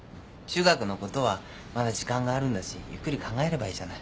中学のことはまだ時間があるんだしゆっくり考えればいいじゃない。